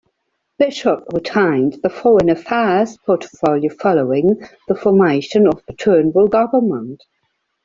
Bishop retained the Foreign Affairs portfolio following the formation of the Turnbull Government.